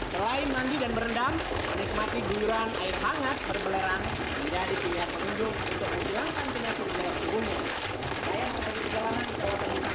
menikmati dan berendam menikmati diuluran air hangat bergulerang